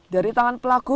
dari tangan pelaku